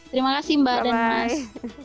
terima kasih mbak dan mas